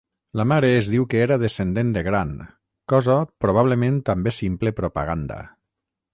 La mare es diu que era descendent de Gran, cosa probablement també simple propaganda.